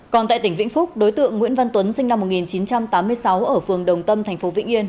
còn tại tỉnh vĩnh phúc đối tượng nguyễn văn tuấn sinh năm một nghìn chín trăm tám mươi sáu ở phường đồng tâm thành phố vĩnh yên